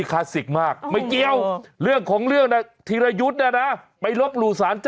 ใครเขามาทิ้งลียราช